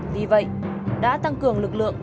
vì vậy đã tăng cường lực lượng